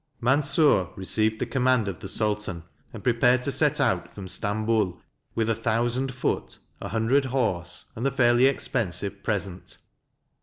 Mansur received the command of the Sultan, and prepared to set out from Stamboul with a thousand foot, a hundred horse, and the fairly expensive present.